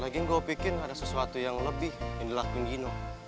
lagian gue pikir ada sesuatu yang lebih yang dilakuin gino